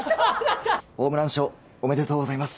・ホームラン賞おめでとうございます。